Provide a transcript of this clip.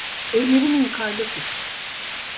Ellerini yukarıda tut.